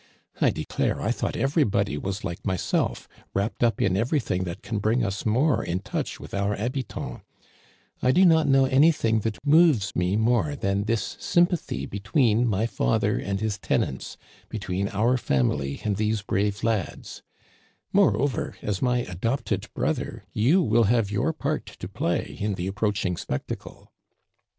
I declare, I thought everybody was like myself, wrapped up in everything that can bring us more in touch with our habitants, I do not know anything that moves me more than this sympathy between my father and his tenants, between our family and these brave lads ; more over, as my adopted brother, you will have your part to play in the approaching spectacle."